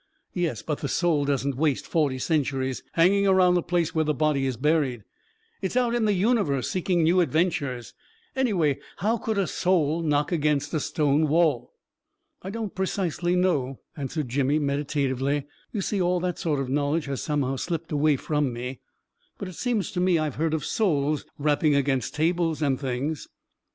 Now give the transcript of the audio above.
Yes ; but the soul doesn't waste forty centuries hanging around the place where the body is buried. It's out in the universe seeking new adventures I Anyway, how could a soul knock against a stone wall?" " I don't precisely know," answered Jimmy, meditatively. " You see, all that sort of knowl edge has somehow slipped away from me. But it seems to me I have heard of souls rapping against tables and things."